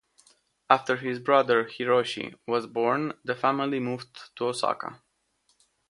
After his brother, Hiroshi, was born, the family moved to Osaka.